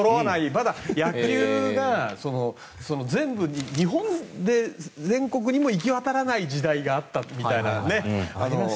まだ野球が日本で全国にも行き渡らない時代があったみたいな。